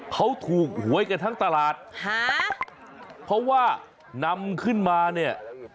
เขาถูกหวยกันทั้งตลาดฮะเพราะว่านำขึ้นมาเนี่ย